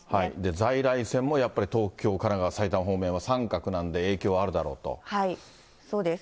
在来線もやっぱり東京、神奈川、埼玉方面は三角なんで、そうです。